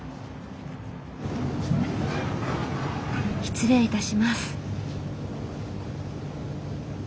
失礼いたします。